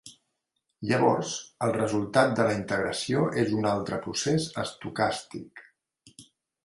Llavors, el resultat de la integració és un altre procés estocàstic.